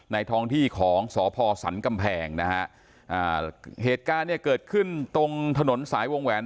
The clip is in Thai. ท้องที่ของสพสันกำแพงนะฮะอ่าเหตุการณ์เนี่ยเกิดขึ้นตรงถนนสายวงแหวน